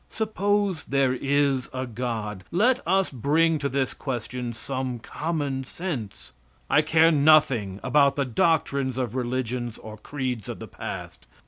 Suppose there is a God; let us bring to this question some common sense. I care nothing about the doctrines of religions or creeds of the past.